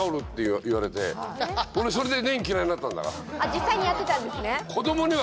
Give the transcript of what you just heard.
実際にやってたんですね